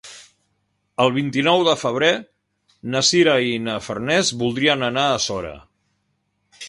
El vint-i-nou de febrer na Sira i na Farners voldrien anar a Sora.